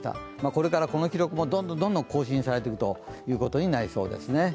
これからこの記録もどんどんどんどん更新されていくということになりますね。